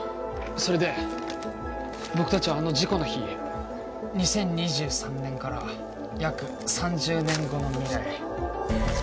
それで僕たちはあの事故の日２０２３年から約３０年後の未来